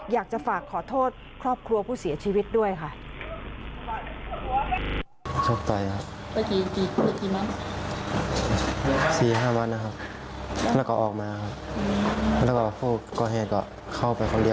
อยากจะฝากขอโทษครอบครัวผู้เสียชีวิตด้วยค่ะ